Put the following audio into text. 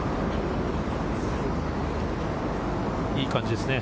いい感じですね。